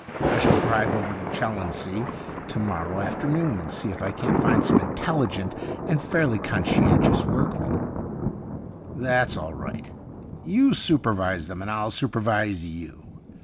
I shall drive over to Challonsea to 140 THE UNDYING THING morrow afternoon and see if I can't find some intelligent and fairly con scientious workmen.' ' That's all right ; you supervise them and I'll supervise you.